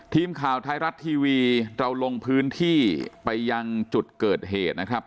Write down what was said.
ทีมข่าวไทยรัฐทีวีเราลงพื้นที่ไปยังจุดเกิดเหตุนะครับ